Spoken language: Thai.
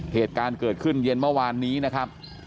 เหตุการณ์เกิดขึ้นเย็นเมื่อวานนี้นะครับ